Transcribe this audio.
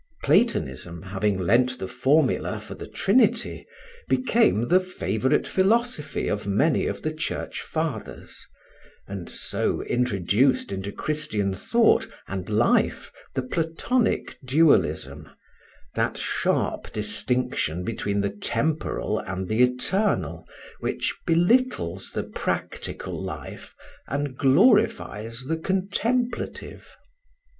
Platonism, having lent the formula for the Trinity, became the favorite philosophy of many of the Church fathers, and so introduced into Christian thought and life the Platonic dualism, that sharp distinction between the temporal and the eternal which belittles the practical life and glorifies the contemplative.